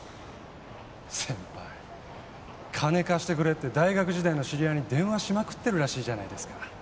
先輩金貸してくれって大学時代の知り合いに電話しまくってるらしいじゃないですか。